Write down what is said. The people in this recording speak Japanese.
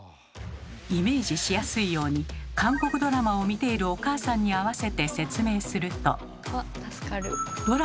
イメージしやすいように韓国ドラマを見ているおかあさんに合わせて説明すると。